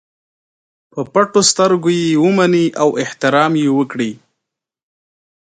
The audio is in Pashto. په پټو سترګو یې ومني او احترام یې وکړي.